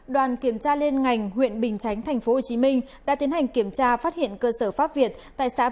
đoàn kiểm tra lên ngành huyện bình chánh tp hcm đã tiến hành kiểm tra phát hiện cơ sở pháp việt